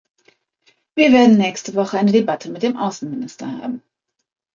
Wir werden nächste Woche eine Debatte mit dem Außenminister haben.